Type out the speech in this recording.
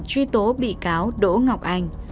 truy tố bị cáo đỗ ngọc anh